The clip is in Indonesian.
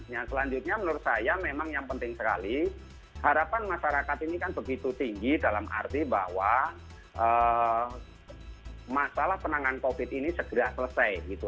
yang selanjutnya menurut saya memang yang penting sekali harapan masyarakat ini kan begitu tinggi dalam arti bahwa masalah penanganan covid ini segera selesai gitu